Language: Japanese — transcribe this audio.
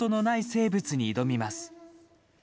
生物に挑みます。